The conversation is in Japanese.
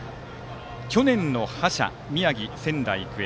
去年の覇者、宮城・仙台育英。